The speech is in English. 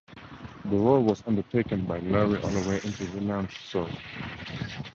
The role was undertaken by Laurie Holloway in the relaunched show.